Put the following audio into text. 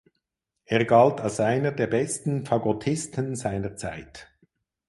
Er galt als einer der besten Fagottisten seiner Zeit.